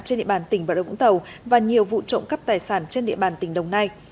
trên địa bàn tỉnh bà đồng vũng tàu và nhiều vụ trộm cắp tài sản trên địa bàn tỉnh đồng nai